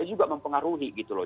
itu juga mempengaruhi gitu loh